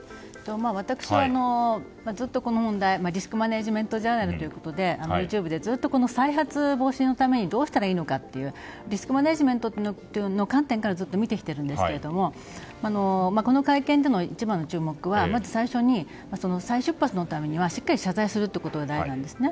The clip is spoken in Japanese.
私はずっとこの問題をリスクマネジメントジャーナルということでＹｏｕＴｕｂｅでずっと再発防止のためにどうしたらいいのかということでリスクマネジメントの観点からずっと見てきていますがこの会見での一番の注目はまず最初に再出発のためには、しっかり謝罪することが大事なんですね。